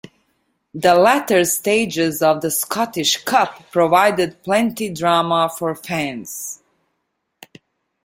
The latter stages of the Scottish Cup provided plenty drama for fans.